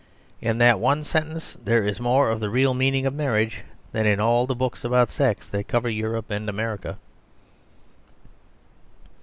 In that one sentence there is more of the real meaning of marriage than in all the books about sex that cover Europe and America.